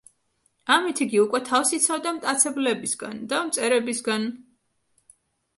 ამით იგი უკვე თავს იცავდა მტაცებლებისგან და მწერებისგან.